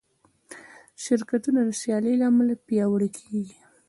شرکتونه د سیالۍ له امله پیاوړي کېږي.